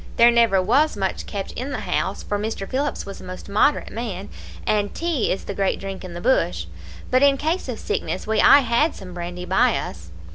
There never was much kept in the house, for Mr. Phillips was a most moderate man, and tea is the great drink in the bush; but in case of sickness we aye had some brandy by us.